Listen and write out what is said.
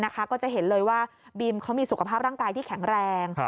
ก็จะเห็นเลยว่าบีมเขามีสุขภาพร่างกายที่แข็งแรง